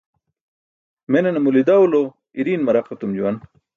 Menane mulidawlo iriiṅ maraq etum juwan.